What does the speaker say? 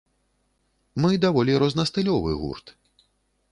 Мы даволі рознастылёвы гурт.